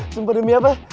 sempa demi apa